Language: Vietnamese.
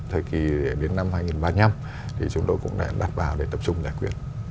thời kỳ đến năm hai nghìn ba mươi năm thì chúng tôi cũng đã đặt vào để tập trung giải quyết